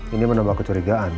ini menambah kecurigaan